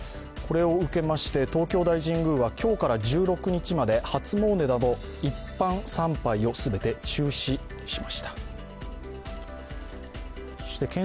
これを受けまして東京大神宮は今日から１６日まで初詣など一般参拝を全て中止しました。